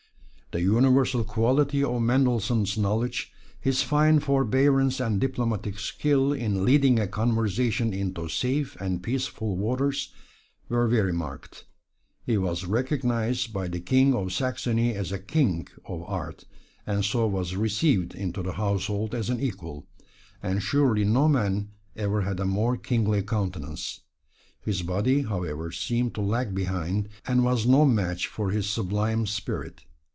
The universal quality of Mendelssohn's knowledge, his fine forbearance and diplomatic skill in leading a conversation into safe and peaceful waters, were very marked. He was recognized by the King of Saxony as a king of art, and so was received into the household as an equal; and surely no man ever had a more kingly countenance. His body, however, seemed to lag behind, and was no match for his sublime spirit.